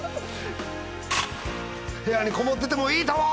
部屋にこもっていてもいいとも！